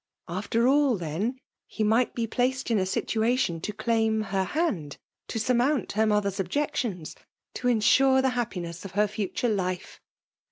After aUi then, he might be placed in a situation to claim her hand — to surmount her mother's eb}ectiens — to insure the happiness of her iiitiire life